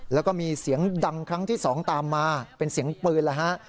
แล้วก็มีเสียงดังครั้งที่๒ตามมาเป็นเสียงปืนแล้วฮะ